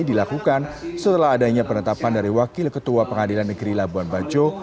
dilakukan setelah adanya penetapan dari wakil ketua pengadilan negeri labuan bajo